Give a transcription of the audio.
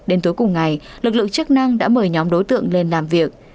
đến tối cùng ngày lực lượng chức năng đã mời nhóm đối tượng lên làm việc